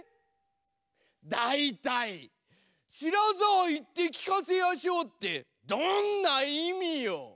だいたい「知らざあ言って聞かせやしょう」ってどんないみよ？